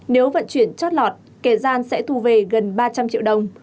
nếu vận chuyển chót lọt kẻ gian sẽ thu về gần ba trăm linh triệu đồng